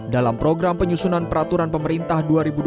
dalam program penyusunan peraturan pemerintah dua ribu dua puluh